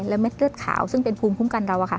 และเม็ดเลือดขาวซึ่งเป็นภูมิคุ้มกันเรา